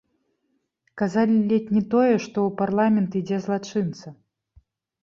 Казалі ледзь не тое, што ў парламент ідзе злачынца!